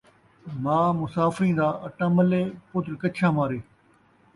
ماء مسافریں دا اٹا ملے ، پتر کچھاں مارے